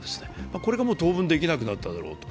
これが当分できなくなっただろうと。